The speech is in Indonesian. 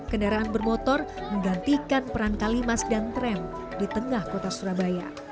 kendaraan bermotor menggantikan peran kalimas dan trem di tengah kota surabaya